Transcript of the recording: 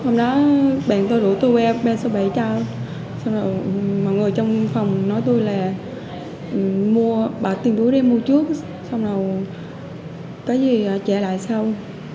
mọi người trong phòng nói tôi là mua bạc tiền túi đem mua trước xong rồi cái gì trả lại xong